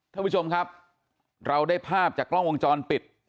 ท่านผู้ชมครับเราได้ภาพจากกล้องวงจรปิด